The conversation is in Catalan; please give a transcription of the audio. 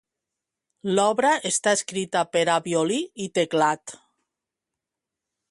L'obra està escrita per a violí i teclat.